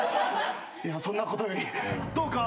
いやそんなことよりどうかお許しを。